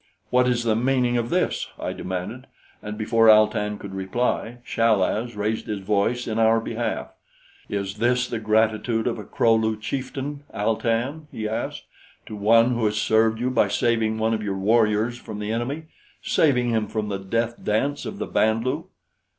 "What is the meaning of this?" I demanded, and before Al tan could reply, Chal az raised his voice in our behalf. "Is this the gratitude of a Kro lu chieftain, Al tan," he asked, "to one who has served you by saving one of your warriors from the enemy saving him from the death dance of the Band lu?"